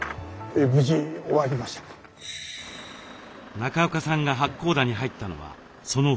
中岡さんが八甲田に入ったのはその２日後。